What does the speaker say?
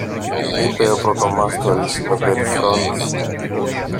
είπε ο πρωτομάστορης με περιφρόνηση.